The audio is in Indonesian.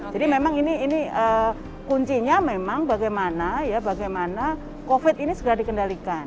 jadi memang ini kuncinya bagaimana covid ini segera dikendalikan